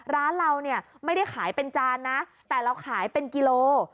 ร้านเราเนี่ยไม่ได้ขายเป็นจานนะแต่เราขายเป็นกิโล